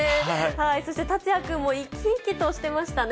そして達哉君も生き生きとしてましたね。